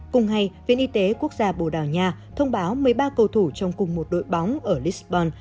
cùng ngày viện y tế quốc gia bồ đào nha thông báo một mươi ba cầu thủ trong cùng một đội bóng ở lisbon